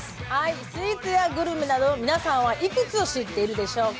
スイーツやグルメなど皆さんはいくつ知っているでしょうか。